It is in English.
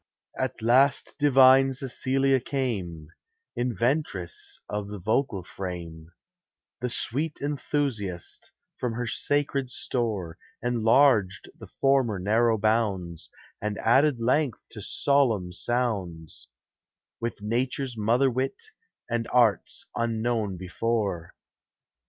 GRAXD CHORUS. At last divine Cecilia came, Inventress of the vocal frame; The sweet enthusiast, from her sacred store, Enlarged the former narrow bounds, And added length to solemn sounds, With nature's mother wit, <m<I arts unknown before.